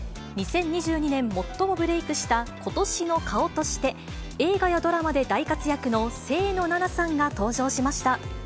２０２２年、最もブレークした、今年の顔として、映画やドラマで大活躍の清野菜名さんが登場しました。